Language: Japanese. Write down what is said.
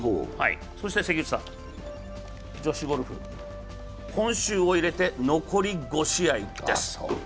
そして、女子ゴルフ、今週を入れて残り５試合です。